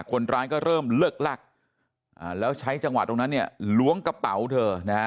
คนร้ายก็เริ่มเลิกลักแล้วใช้จังหวะตรงนั้นเนี่ยล้วงกระเป๋าเธอนะฮะ